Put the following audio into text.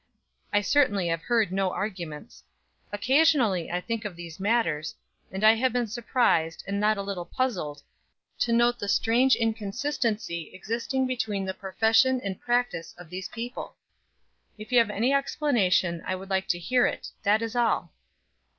I certainly have heard no arguments. Occasionally I think of these matters, and I have been surprised, and not a little puzzled, to note the strange inconsistency existing between the profession and practice of these people. If you have any explanation I should like to hear it; that is all."